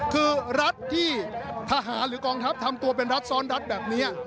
คือรัฐที่ทหารหรือกองทัพทำตัวเป็นรัฐซ้อนรัฐแบบนี้